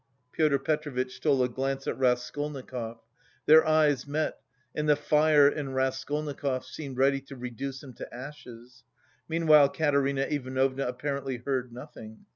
Pyotr Petrovitch stole a glance at Raskolnikov. Their eyes met, and the fire in Raskolnikov's seemed ready to reduce him to ashes. Meanwhile Katerina Ivanovna apparently heard nothing.